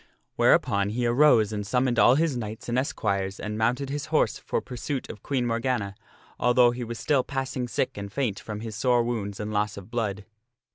Whereupon he arose and summoned all his knights and esquires and mounted his horse for pursuit of Queen Morgana, although he was still passing sick and faint from his sore wounds and loss of blood.